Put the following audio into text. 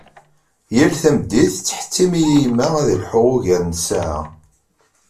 Yal tameddit tettḥettim-iyi yemma ad lḥuɣ ugar n ssaɛa.